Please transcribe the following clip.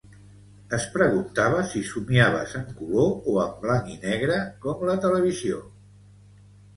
Es preguntava si somiaves en color o en blanc i negre com la televisió